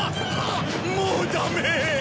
もうダメ。